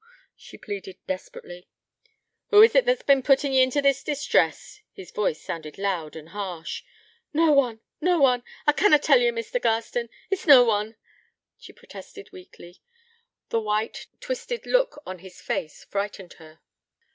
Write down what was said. she pleaded desperately. 'Who is't that's bin puttin' ye into this distress?' His voice sounded loud and harsh. 'No one, no one. I canna tell ye, Mr. Garstin.... It's no one,' she protested weakly. The white, twisted look on his face frightened her.